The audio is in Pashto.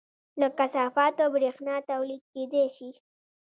له کثافاتو بریښنا تولید کیدی شي